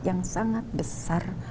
yang sangat besar